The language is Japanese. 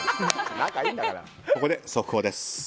ここで速報です。